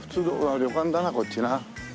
旅館だなこっちな。